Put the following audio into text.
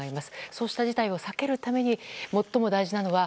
そうした事態を避けるために最も大事なのは